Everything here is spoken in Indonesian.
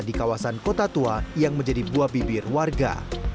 di kawasan kota tua yang menjadi buah bibir warga